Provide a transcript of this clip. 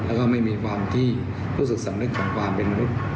แล้วก็ไม่มีความที่รู้สึกสำนึกของความเป็นมนุษย์